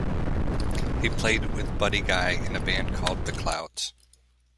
He played with Buddy Guy in a band called the Clouds.